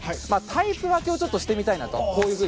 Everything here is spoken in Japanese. タイプ分けをしてみたいなと。